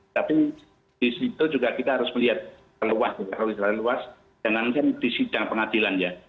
tapi di situ juga kita harus melihat luas kalau di situ luas jangan jangan di sidang pengadilan ya